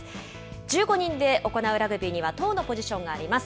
１５人で行うラグビーには、１０のポジションがあります。